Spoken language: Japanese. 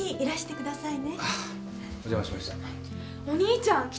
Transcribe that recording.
お兄ちゃん！